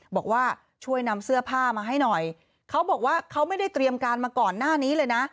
บอกว่าช่วยนำเสื้อผ้ามาให้หน่อยเขาบอกว่าเขาไม่ได้เตรียมการมาก่อนหน้านี้เลยนะ